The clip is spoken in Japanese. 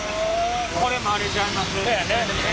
これもあれちゃいます？